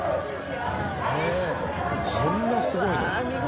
こんなすごいの？